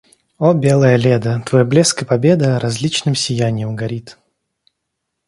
О, белая Леда, твой блеск и победа различным сияньем горит.